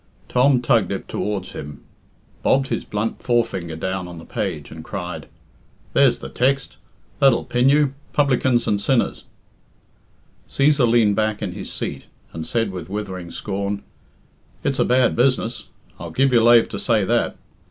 Tom tugged it towards him, bobbed his blunt forefinger down on the page, and cried, "There's the text that'll pin you publicans and sinners." Cæsar leaned back'in his seat, and said with withering scorn, "It's a bad business I'll give you lave to say that.